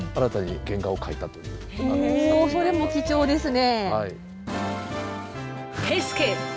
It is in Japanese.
おそれも貴重ですね！